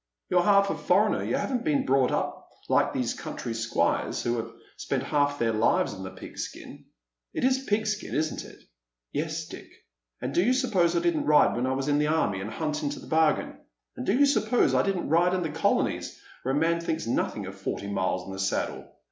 " You're half a foreigner. You haven't been brought up like these country squires, who have spent half their Uvea in the pigskin. It is pigskin, isn't it ?"" Yes, Dick. And do you suppose I didn't ride when I was in the aiTny, and hunt into the bargain ? And do you suppose I didn't ride in the colonies, where a man thinks nothing of forty miles in the saddle